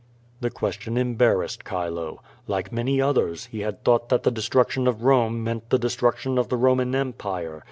The question embarrassed Chilo. Like many others, he thought that the destruction of Rome meant the destruc tion of the Roman Empire.